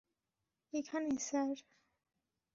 এখানে, স্যার।